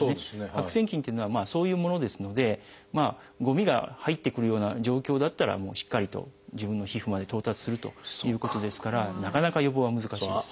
白癬菌っていうのはそういうものですのでごみが入ってくるような状況だったらしっかりと自分の皮膚まで到達するということですからなかなか予防は難しいです。